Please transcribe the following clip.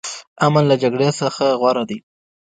امن له جګړې څخه غوره دی.